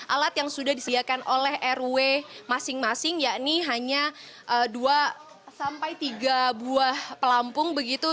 alat yang sudah disediakan oleh rw masing masing yakni hanya dua sampai tiga buah pelampung begitu